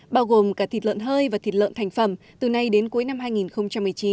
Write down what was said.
bao gồm cả thịt lợn hơi và thịt lợn thành phẩm từ nay đến cuối năm hai nghìn một mươi chín